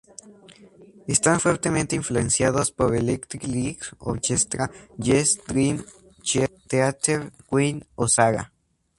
Están fuertemente influenciados por Electric Light Orchestra, Yes, Dream Theater, Queen o Saga.